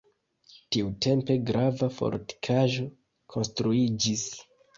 Tiutempe grava fortikaĵo konstruiĝis.